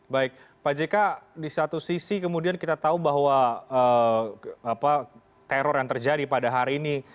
baik pak jk di satu sisi kemudian kita tahu bahwa teror yang terjadi pada hari ini